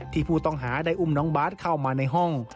ที่ผู้ต้องหาได้อุ้มน้องบาทเข้ามาในห้อง